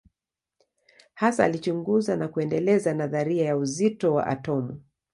Hasa alichunguza na kuendeleza nadharia ya uzito wa atomu.